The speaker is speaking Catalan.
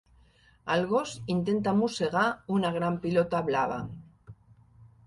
El gos intenta mossegar una gran pilota blava.